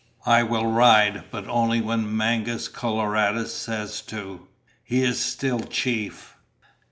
"I will ride, but only when Mangus Coloradus says to. He is still chief."